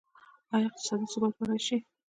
آیا اقتصادي ثبات به راشي؟